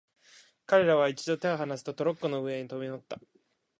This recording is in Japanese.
彼等は一度に手をはなすと、トロッコの上へ飛び乗った。